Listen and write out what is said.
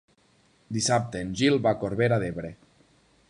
Dissabte en Gil va a Corbera d'Ebre.